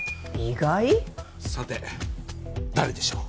さて誰でしょう？